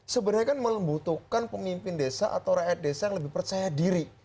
sebenarnya kan membutuhkan pemimpin desa atau rakyat desa yang lebih percaya diri